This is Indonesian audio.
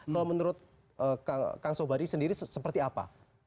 kalau menurut kang sobari sendiri seperti apa